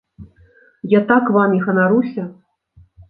Я так вамі ганаруся.